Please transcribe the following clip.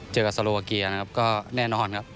เจอกับสโลวาเกียนะครับก็แน่นอนครับ